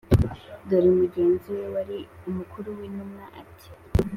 ". dore mugenzi we wari umukuru w'intumwaati"